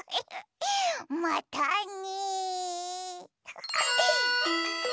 またね。